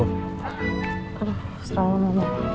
aduh setahun lama